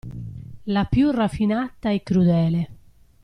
La più raffinata e crudele!